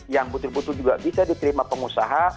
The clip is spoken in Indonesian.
yang betul betul juga bisa diterima pengusaha